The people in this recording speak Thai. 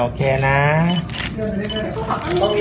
อันนี้ก็มองดูนะคะ